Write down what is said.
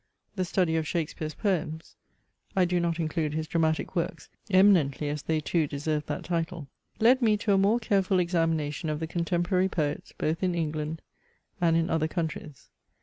The study of Shakespeare's poems (I do not include his dramatic works, eminently as they too deserve that title) led me to a more careful examination of the contemporary poets both in England and in other countries.